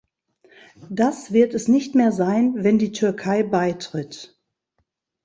Das wird es nicht mehr sein, wenn die Türkei beitritt.